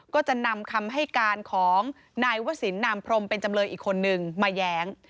ก็จะนำคำให้การของนายวศิลปนามพรมเป็นจำเลยอีกคนนึงมาแย้ง